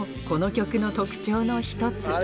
この曲の特徴の１つ